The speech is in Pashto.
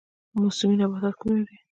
موسمي نباتات کوم دي؟